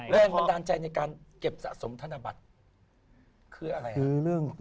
แรงบันดาลใจในการเก็บสะสมธนบัตรคืออะไรครับ